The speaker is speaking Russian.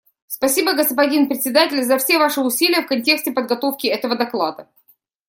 Спасибо, господин Председатель, за все Ваши усилия в контексте подготовки этого доклада.